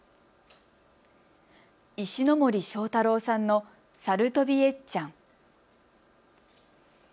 石ノ森章太郎さんのさるとびエッちゃん。